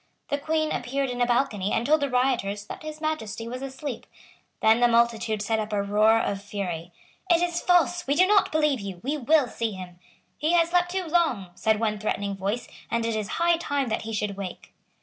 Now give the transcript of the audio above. The Queen appeared in a balcony, and told the rioters that His Majesty was asleep. Then the multitude set up a roar of fury. "It is false; we do not believe you. We will see him." "He has slept too long," said one threatening voice; "and it is high time that he should wake."